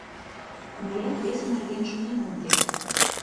Мыят весе нерген шонен ом керт.